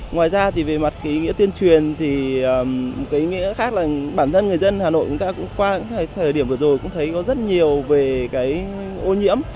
ngoài ra thì về mặt ký nghĩa tuyên truyền thì một cái ý nghĩa khác là bản thân người dân hà nội chúng ta cũng qua thời điểm vừa rồi cũng thấy có rất nhiều về cái ô nhiễm